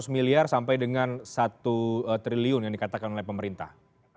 lima ratus miliar sampai dengan satu triliun yang dikatakan oleh pemerintah